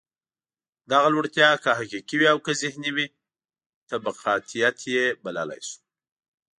دغه لوړتیا که حقیقي وي او که ذهني وي، طبقاتيت یې بللای شو.